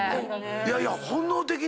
いやいや本能的にやて。